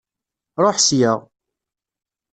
Ṛuḥ sya!